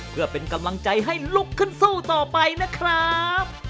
เพื่อเป็นกำลังใจให้ลุกขึ้นสู้ต่อไปนะครับ